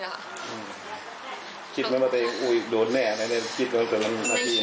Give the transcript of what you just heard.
ไม่คิดว่าจะต้องรักให้แน่นจับให้แน่น